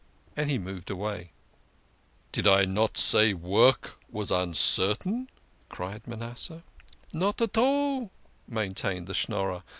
And he moved away. " Did I not say work was uncertain ?" cried Manasseh. "Not all," maintained the Schnorrer.